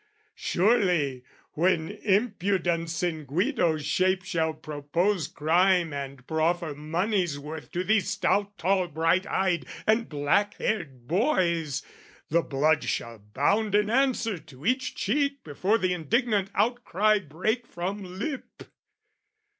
Surely when impudence in Guido's shape Shall propose crime and proffer money's worth To these stout tall bright eyed and black haired boys, The blood shall bound in answer to each cheek Before the indignant outcry break from lip!